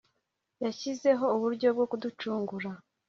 yashyizeho uburyo bwo kuducungura